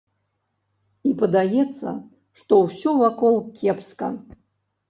І падаецца, што ўсё вакол кепска.